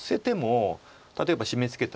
例えばシメツケたりとか。